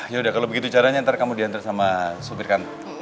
yaudah kalo begitu caranya ntar kamu diantar sama supir kantor